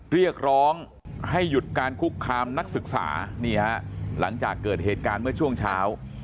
เรียกร้องให้หยุดการคุกคามนักศึกษานี่ฮะหลังจากเกิดเหตุการณ์เมื่อช่วงเช้า